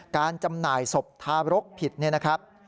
การจำหน่ายศพทารกผิดนะครับ